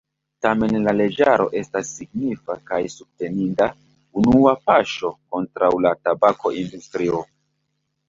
Tamen la leĝaro estas signifa kaj subteninda unua paŝo kontraŭ la tabako-industrio.